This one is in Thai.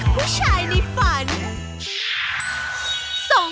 ผู้ชายในฝัน